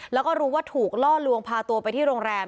แล้วก็รู้ว่าถูกล่อลวงพาตัวไปที่โรงแรม